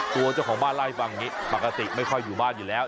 ตัวเจ้าของบ้านเล่าให้ฟังอย่างนี้ปกติไม่ค่อยอยู่บ้านอยู่แล้ว